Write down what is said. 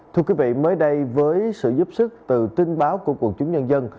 thưa quý vị mới đây với sự giúp sức từ tin báo của quận chủ nhân dân